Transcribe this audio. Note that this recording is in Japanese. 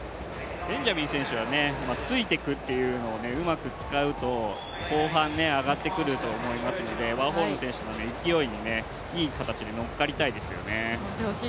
ベンジャミン選手はついていくというのをうまく使うと後半、上がってくると思いますのでワーホルム選手の勢いにいい形で乗っかりたいですよね。